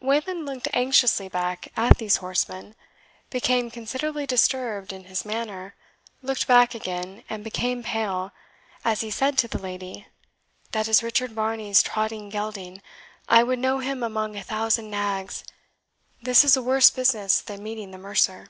Wayland looked anxiously back at these horsemen, became considerably disturbed in his manner, looked back again, and became pale, as he said to the lady, "That is Richard Varney's trotting gelding; I would know him among a thousand nags. This is a worse business than meeting the mercer."